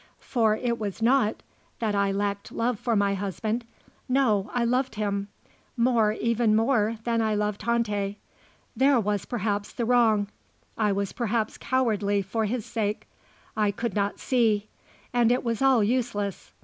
For it was not that I lacked love for my husband. No. I loved him. More, even more, than I loved Tante. There was perhaps the wrong. I was perhaps cowardly, for his sake. I would not see. And it was all useless.